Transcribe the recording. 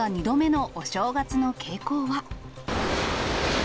２度目のお正月の傾向は。